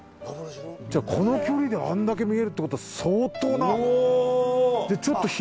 この距離であんだけ見えるってことは相当な。